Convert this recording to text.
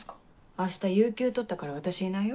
明日有休取ったから私いないよ。